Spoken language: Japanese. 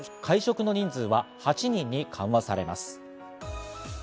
会食の人数は８人に緩和されます。